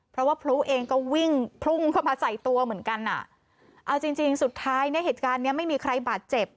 เพราะว่าพลุเองก็วิ่งพุ่งเข้ามาใส่ตัวเหมือนกันอ่ะเอาจริงจริงสุดท้ายเนี่ยเหตุการณ์เนี้ยไม่มีใครบาดเจ็บ